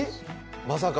まさか。